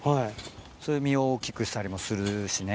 それで実を大きくしたりもするしね。